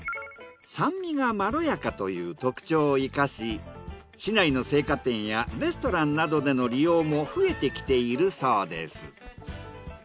酸味がまろやかという特徴を生かし市内の製菓店やレストランなどでの利用も増えてきているそうです。